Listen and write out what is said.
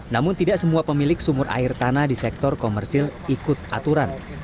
namun tidak semua pemilik sumur air tanah di sektor komersil ikut aturan